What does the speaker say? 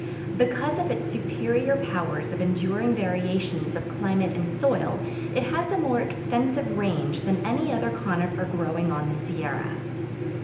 Because of its superior powers of enduring variations of climate and soil, it has a more extensive range than any other conifer growing on the Sierra.